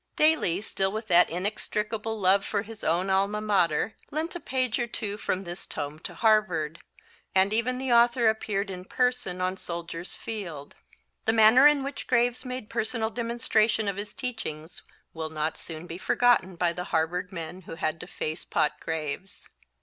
Daly, still with that ineradicable love for his own Alma Mater, lent a page or two from this tome to Harvard, and even the author appeared in person on Soldiers' Field. The manner in which Graves made personal demonstration of his teachings will not soon be forgotten by the Harvard men who had to face Pot Graves.